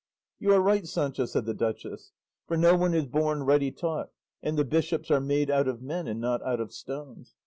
"You are right, Sancho," said the duchess, "for no one is born ready taught, and the bishops are made out of men and not out of stones.